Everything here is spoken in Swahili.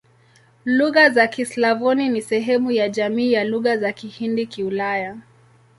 Lugha za Kislavoni ni sehemu ya jamii ya Lugha za Kihindi-Kiulaya.